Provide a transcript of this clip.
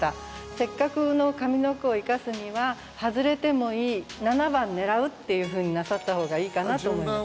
せっかくの上の句を生かすには「外れてもいい七番狙う」っていうふうになさった方がいいかなと思います。